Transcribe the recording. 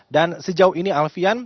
dan sejauh ini alfian